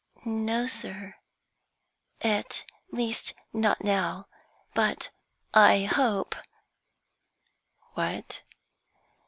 "No, sir at least, not now but I hope " "What?"